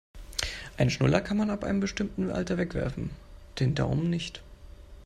Einen Schnuller kann man ab einem bestimmten Alter wegwerfen, den Daumen nicht.